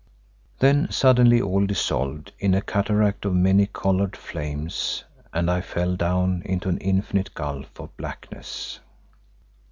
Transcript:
Then suddenly all dissolved in a cataract of many coloured flames and I fell down into an infinite gulf of blackness.